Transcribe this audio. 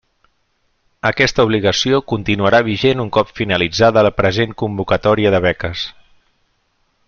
Aquesta obligació continuarà vigent un cop finalitzada la present convocatòria de beques.